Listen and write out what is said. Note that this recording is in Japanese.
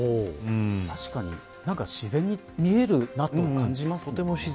確かに自然に見えるなと感じますよね。